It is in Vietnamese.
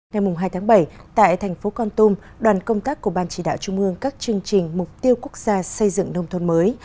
ngày hai tháng bảy tại thành phố con tum đoàn công tác của ban chỉ đạo trung ương các chương trình mục tiêu quốc gia xây dựng nông thôn mới